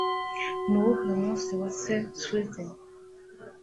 Nuwuhe munsi wa St Swithin?